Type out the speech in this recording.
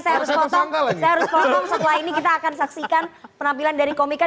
saya harus potong setelah ini kita akan saksikan penampilan dari komika